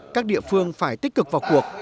các địa phương phải tích cực vào cuộc